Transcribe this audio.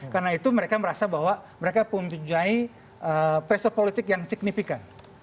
karena itu mereka merasa bahwa mereka mempunyai pressure politik yang signifikan